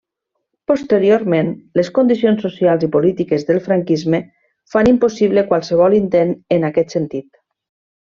Posteriorment, les condicions socials i polítiques del franquisme fan impossible qualsevol intent en aquest sentit.